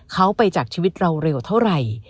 เขาไปจากชีวิตเราเร็วเท่าไหร่